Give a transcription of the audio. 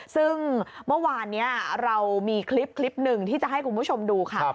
ซึ่งเมื่อวานนี้เรามีคลิปหนึ่งที่จะให้คุณผู้ชมดูค่ะ